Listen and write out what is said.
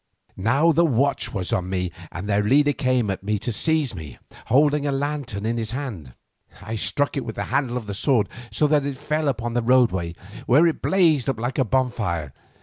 Now the watch was on me, and their leader came at me to seize me, holding a lantern in his hand. I struck it with the handle of the sword, so that it fell upon the roadway, where it blazed up like a bonfire.